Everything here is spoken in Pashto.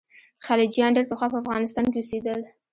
خلجیان ډېر پخوا په افغانستان کې اوسېدل.